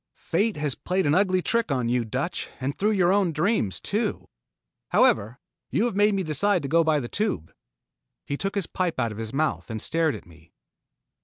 "Fate has played an ugly trick on you, Dutch, and through your own dreams too. However, you have made me decide to go by the Tube." He took his pipe out of his mouth and stared at me.